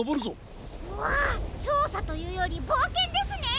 うわちょうさというよりぼうけんですね！